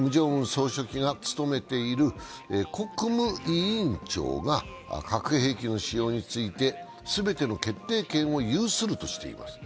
総書記が務めている国務委員長が核兵器の使用について、全ての決定権を有するとしています。